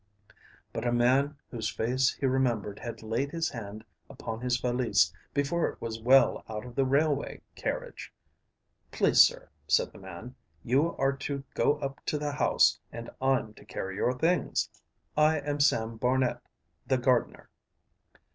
But a man whose face he remembered had laid his hand upon his valise before it was well out of the railway carriage. "Please, Sir," said the man, "you are to go up to the house, and I'm to carry your things. I am Sam Barnet, the gardener."